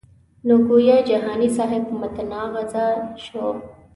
نو ګویا جهاني صاحب متنازعه شو.